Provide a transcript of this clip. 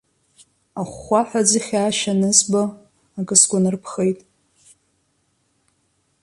Ахәхәаҳәа аӡыхь аашьа анызба, акы сгәанарԥхеит.